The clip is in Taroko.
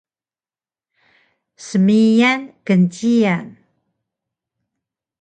Smiyan knciyan